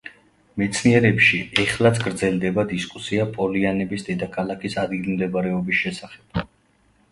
მეცნიერებში ეხლაც გრძელდება დისკუსია პოლიანების დედაქალაქის ადგილმდებარეობის შესახებ.